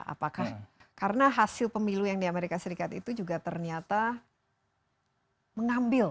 apakah karena hasil pemilu yang di amerika serikat itu juga ternyata mengambil